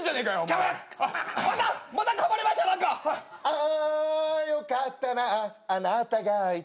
「あーよかったなあなたがいて」